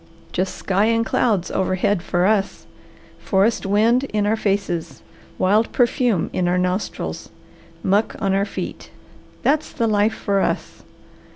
Just sky and clouds overhead for us, forest wind in our faces, wild perfume in our nostrils, muck on our feet, that's the life for us.